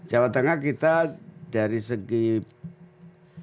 jawa tengah kita dari segi pemilu legislatif yang lainnya